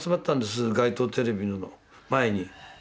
街頭テレビの前に。